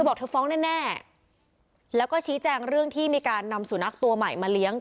บอกเธอฟ้องแน่แล้วก็ชี้แจงเรื่องที่มีการนำสุนัขตัวใหม่มาเลี้ยง